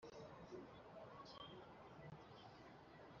aransubiza ati: "rwose igisubizo cyawe ni cyo kirumvikana.